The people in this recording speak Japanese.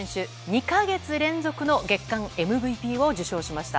２か月連続の月間ＭＶＰを受賞しました。